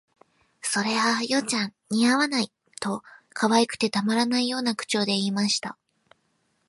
「それあ、葉ちゃん、似合わない」と、可愛くてたまらないような口調で言いました